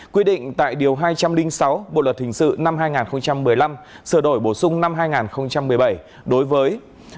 quy định tại điều hai trăm linh sáu bộ luật hình sự năm hai nghìn một mươi năm sửa đổi bổ sung năm hai nghìn một mươi bảy đối với